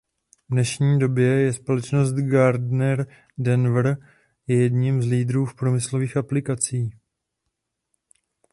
V dnešní době je společnost Gardner Denver je jedním z lídrů v průmyslových aplikací.